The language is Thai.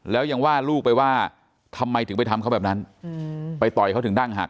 แล้วยังว่าลูกไปว่าทำไมถึงไปทำเขาแบบนั้นไปต่อยเขาถึงดั้งหัก